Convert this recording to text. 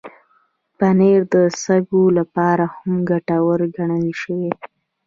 پنېر د سږو لپاره هم ګټور ګڼل شوی.